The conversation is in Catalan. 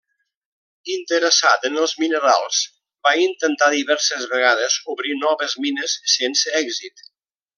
Interessat en els minerals, va intentar diverses vegades obrir noves mines sense èxit.